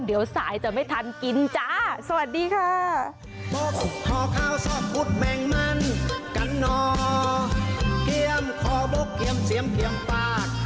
เดี๋ยวสายจะไม่ทันกินจ้าสวัสดีค่ะ